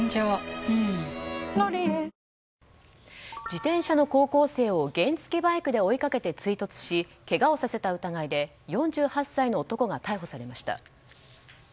自転車の高校生を原付きバイクで追いかけて追突しけがをさせた疑いで４８歳の男が逮捕されました。